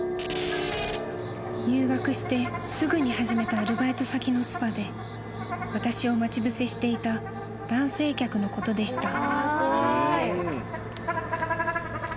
［入学してすぐに始めたアルバイト先のスパで私を待ち伏せしていた男性客のことでした］